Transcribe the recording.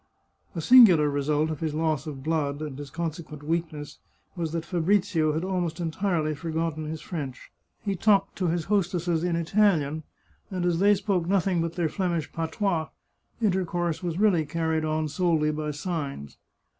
A singular result of his loss of blood, and his conse quent weakness, was that Fabrizio had almost entirely for gotten his French. He talked to his hostesses in Italian, and as they spoke nothing but their Flemish patois, intercourse was really carried on solely by signs.